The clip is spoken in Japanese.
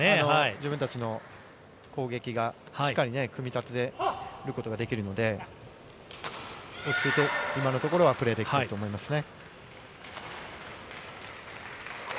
自分たちの攻撃がしっかり組み立てることができるので、落ち着いて、今のところはプレーできていると思いますね。